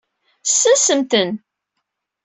Sensemt-ten.